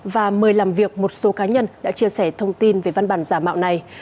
và mời làm việc một số cá nhân đã chia sẻ thông tin về văn bản giả mạo này